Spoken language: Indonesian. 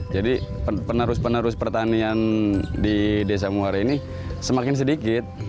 jadi penerus penerus pertanian di desa muara ini semakin sedikit